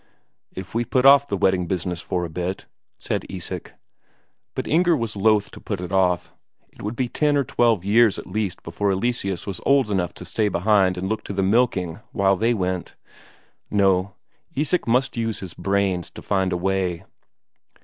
"If we put off the wedding business for a bit?" said Isak. But Inger was loth to put it off; it would be ten or twelve years at least before Eleseus was old enough to stay behind and look to the milking while they went. No, Isak must use his brains to find a way.